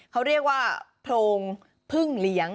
เขาเรียกว่าโพรงพึ่งเลี้ยง